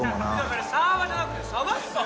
それサーバーじゃなくて鯖っすよ！